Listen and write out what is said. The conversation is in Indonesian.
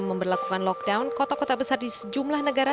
memperlakukan lockdown kota kota besar di sejumlah negara